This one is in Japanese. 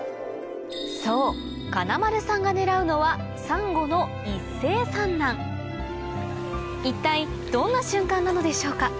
そう金丸さんが狙うのは一体どんな瞬間なのでしょうか？